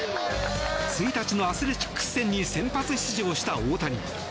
１日のアスレチックス戦に先発出場した大谷。